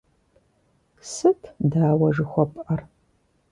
Сыт дауэ жыхуэпӏэр?